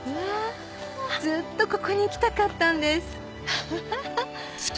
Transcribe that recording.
ずっとここに来たかったんですうわぁ！